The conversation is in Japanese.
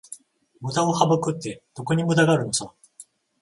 ムダを省くって、どこにムダがあるのさ